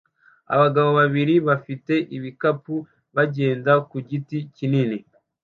Abagabo babiri bafite ibikapu bagenda ku giti kinini